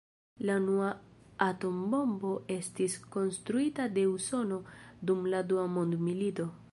La unua atombombo estis konstruita de Usono dum la Dua mondmilito.